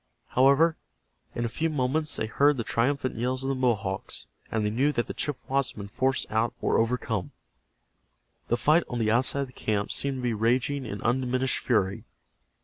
However, in a few moments they heard the triumphant yells of the Mohawks, and they knew that the Chippewas had been forced out or overcome. The fight on the outside of the camp seemed to be raging in undiminished fury.